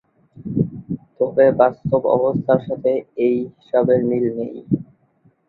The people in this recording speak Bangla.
তবে বাস্তব অবস্থার সঙ্গে এই হিসাবের মিল নেই।